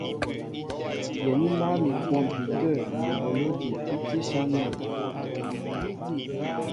Yɛ̌n i mǎl mi a kwɔmpi tə̂ ni eboló ejí tí áshán nān.